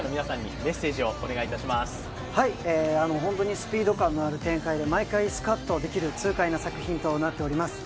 本当にスピード感のある展開で毎回スカッとできる痛快な作品となっております。